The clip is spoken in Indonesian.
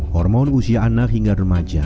hormon usia anak hingga remaja memang tengah jatuh